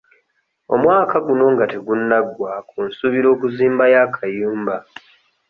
Omwaka guno nga tegunnaggwako nsuubira okuzimbayo akayumba.